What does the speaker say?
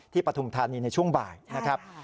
ปฐุมธานีในช่วงบ่ายนะครับ